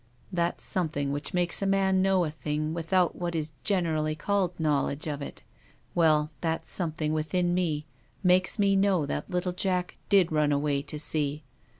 " That something which makes a man know a thing without what is generally called knowledge of it. Well, that something within me makes me know that little Jack did run away to sea.